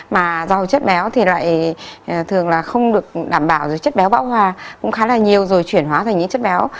mà rau chất béo thì lại thường là không được đảm bảo rồi chất béo bão hòa cũng khá là nhiều rồi chuyển hóa thành những chất béo